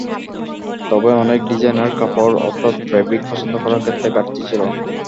তবে অনেক ডিজাইনারের কাপড়, অর্থাৎ ফেব্রিক পছন্দ করার ক্ষেত্রে ঘাটতি ছিল।